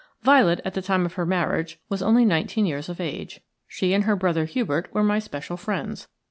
Violet at the time of her marriage was only nineteen years of age. She and her brother Hubert were my special friends.